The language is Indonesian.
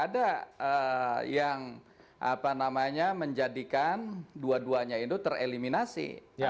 dan nggak ada yang menjadikan dua duanya itu tereliminasi